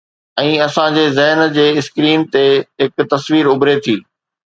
۽ اسان جي ذهن جي اسڪرين تي هڪ تصوير اڀري ٿي.